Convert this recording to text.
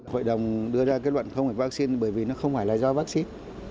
hội đồng đưa ra kết luận không phải vaccine bởi vì nó không phải là do vaccine